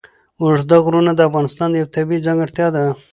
اوږده غرونه د افغانستان یوه طبیعي ځانګړتیا ده.